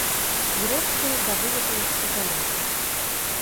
Зрэшты, да вылету яшчэ далёка.